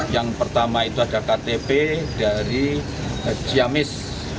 yang pertama itu ada ktp dari ciamis